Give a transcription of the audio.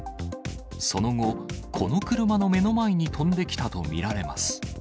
その後、この車の目の前に飛んできたと見られます。